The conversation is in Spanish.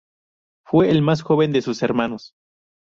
Fue el más joven de sus hermanos.